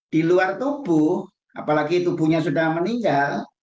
di luar tubuh apalagi tubuhnya sudah meninggal